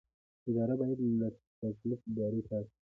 اداره باید له تقلب کارۍ پاکه وي.